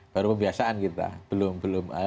baru pembiasaan kita belum